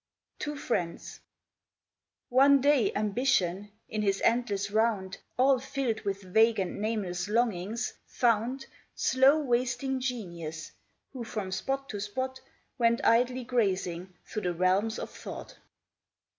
TWO FRIENDS One day Ambition, in his endless round, All filled with vague and nameless longings, found Slow wasting Genius, who from spot to spot Went idly grazing, through the Realms of Thought.